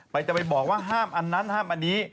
จะไปบอกว่าห้ามอันนั้นห้ามอันนี้